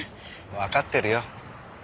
わかってるよ。